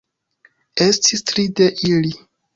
Estis tri de ili.